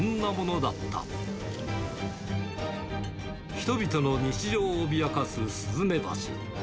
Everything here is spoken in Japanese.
人々の日常を脅かすスズメバチ。